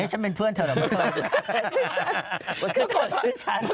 เฮ้ยฉันเป็นเพื่อนเธอเหรอไม่เป็นเพื่อน